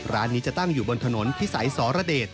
ร้านนี้จะตั้งอยู่บนถนนพิสัยสรเดช